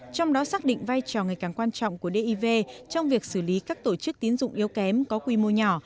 trong đó xác định vai trò ngày càng quan trọng của div trong việc xử lý các tổ chức tín dụng yếu kém có quy mô nhỏ